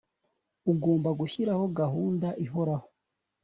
ugomba gushyiraho gahunda ihoraho